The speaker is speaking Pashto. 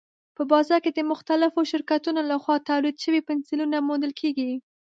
په بازار کې د مختلفو شرکتونو لخوا تولید شوي پنسلونه موندل کېږي.